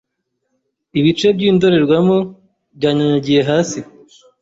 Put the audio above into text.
Ibice by'indorerwamo byanyanyagiye hasi.